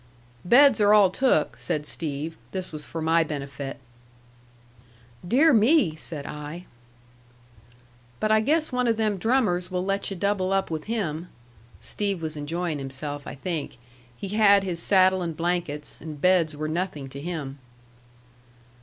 "Beds are all took," said Steve. This was for my benefit. "Dear me," said I. "But I guess one of them drummers will let yu' double up with him." Steve was enjoying himself, I think. He had his saddle and blankets, and beds were nothing to him.